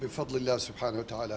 bipadlillah subhanahu wa ta'ala